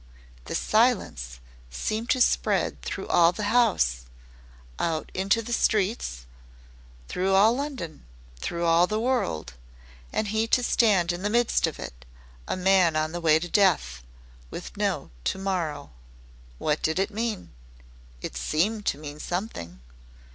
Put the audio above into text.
The silence seemed to spread through all the house out into the streets through all London through all the world, and he to stand in the midst of it, a man on the way to Death with no To morrow. What did it mean? It seemed to mean something.